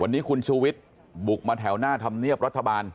วันนี้คุณชูวิทย์บุกมาแถวหน้าธรรมเนียบรัฐบาล